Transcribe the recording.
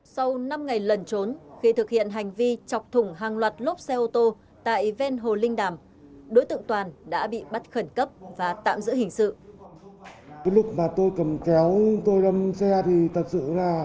sau năm ngày lần trốn khi thực hiện hành vi chọc thủng hàng loạt lốp xe ô tô tại ven hồ linh đàm đối tượng toàn đã bị bắt khẩn cấp và tạm giữ hình sự